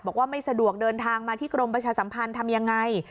บอกว่าไม่สะดวกเดินทางมาที่กรมประชาสัมพันธ์ทำยังไง